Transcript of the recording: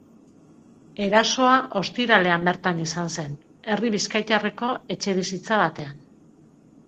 Erasoa ostiralean bertan izan zen, herri bizkaitarreko etxebizitza batean.